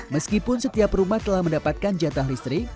meskipun setiap rumah telah mendapatkan jatah listrik